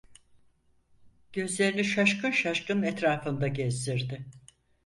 Gözlerini şaşkın şaşkın etrafında gezdirdi.